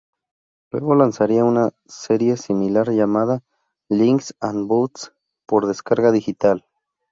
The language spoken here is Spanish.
Luego lanzaría una serie similar llamada "Legs and boots" por descarga digital.